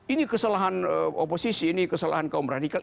ini kesalahan oposisi ini kesalahan kaum radikal